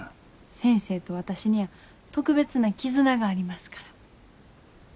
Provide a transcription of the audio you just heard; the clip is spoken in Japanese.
先生と私には特別な絆がありますから。